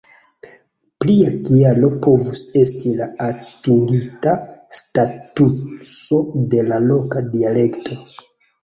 Plia kialo povus esti la atingita statuso de la loka dialekto.